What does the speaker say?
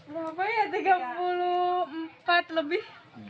berapa ya tiga puluh empat lebih